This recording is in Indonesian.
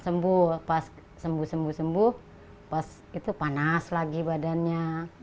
sembuh tuh cepat sembuh pas sembuh sembuh sembuh pas itu panas lagi badannya